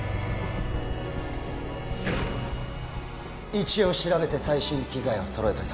一応調べて最新機材を揃えといた